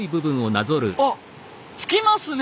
ああつきますね。